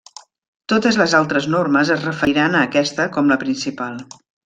Totes les altres normes es referiran a aquesta com la principal.